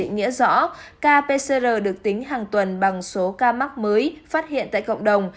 nghĩa rõ ca pcr được tính hàng tuần bằng số cam mắc mới phát hiện tại cộng đồng